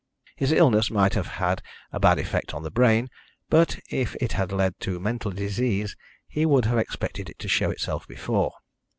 His illness might have had a bad effect on the brain, but if it had led to mental disease he would have expected it to show itself before.